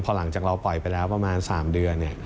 พอหลังจากเราปล่อยไปแล้วประมาณ๓เดือน